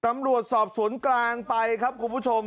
ตำรวจสอบสวนกลางไปครับคุณผู้ชม